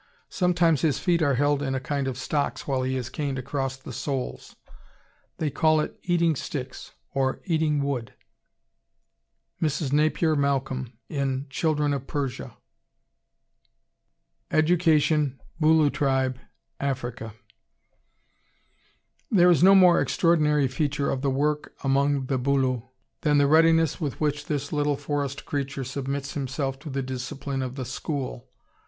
Sometimes his feet are held in a kind of stocks while he is caned across the soles. They call it "eating sticks" or "eating wood." (Mrs. Napier Malcolm in "Children of Persia.") [Illustration: A PERSIAN BOYS' SCHOOL AND THE FAVORITE MODE OF PUNISHMENT] EDUCATION, BULU TRIBE, AFRICA There is no more extraordinary feature of the work among the Bulu than the readiness with which this little forest creature submits himself to the discipline of school.